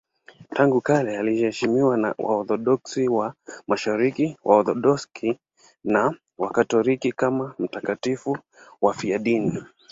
Tangu kale wanaheshimiwa na Waorthodoksi wa Mashariki, Waorthodoksi na Wakatoliki kama watakatifu wafiadini.